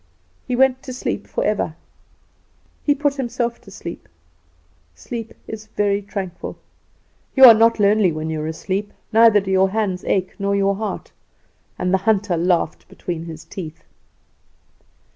He went to sleep forever. He put himself to sleep. Sleep is very tranquil. You are not lonely when you are asleep, neither do your hands ache, nor your heart. And the hunter laughed between his teeth.